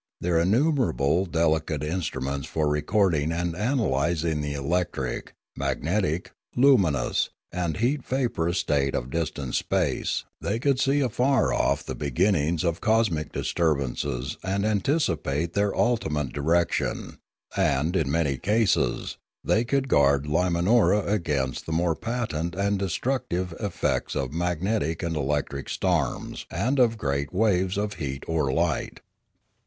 With their innumerable delicate instruments for record ing and analysing the electric, magnetic, luminous, and heat vaporous state of distant space, they could see afar off the beginnings of cosmic disturbances and anticipate their ultimate direction; and in many cases they could guard Limanora against the more patent and destruc tive effects of magnetic and electric storms and of great waves of heat or light.